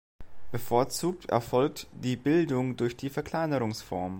Bevorzugt erfolgt die Bildung durch die Verkleinerungsform.